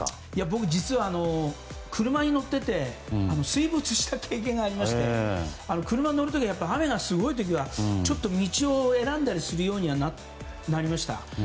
僕、実は車に乗っていて水没した経験がありまして車に乗る時雨がすごい時は、道を選んだりするようになりました。